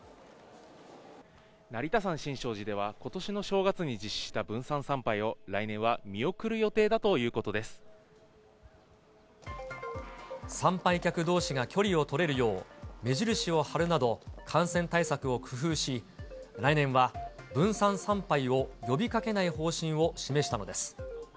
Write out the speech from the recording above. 成田山新勝寺では、ことしの正月に実施した分散参拝を、来年は見送る予定だということで参拝客どうしが距離を取れるよう、目印を貼るなど、感染対策を工夫し、来年は分散参拝を呼びかけない方針を示したのです。